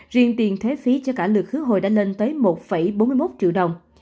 riêng tiền thuế phí cho cả lượt khứ hồi đã lên tới một bốn mươi một triệu đồng